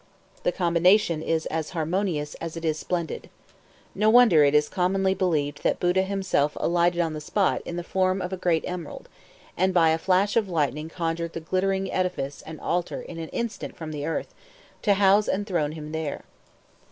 The combination is as harmonious as it is splendid. No wonder it is commonly believed that Buddha himself alighted on the spot in the form of a great emerald, and by a flash of lightning conjured the glittering edifice and altar in an instant from the earth, to house and throne him there!